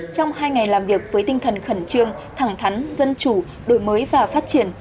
trong hai ngày làm việc với tinh thần khẩn trương thẳng thắn dân chủ đổi mới và phát triển